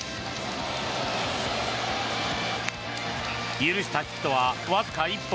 許したヒットはわずか１本。